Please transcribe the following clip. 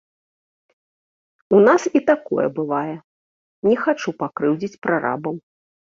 У нас і такое бывае, не хачу пакрыўдзіць прарабаў.